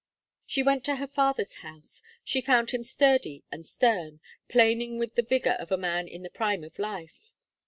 She went to her father's house. She found him sturdy and stern, planing with the vigour of a man in the prime of life.